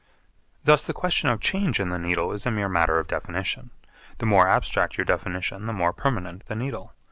Thus the question of change in the Needle is a mere matter of definition. The more abstract your definition, the more permanent the Needle.